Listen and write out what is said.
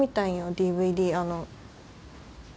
ＤＶＤあの。